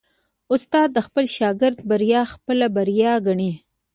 استاد د خپل شاګرد بریا خپل بری ګڼي.